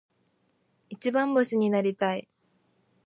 一番星になりたい。